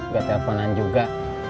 gak telponan juga